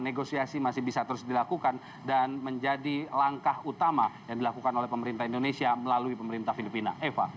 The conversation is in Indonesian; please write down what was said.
negosiasi masih bisa terus dilakukan dan menjadi langkah utama yang dilakukan oleh pemerintah indonesia melalui pemerintah filipina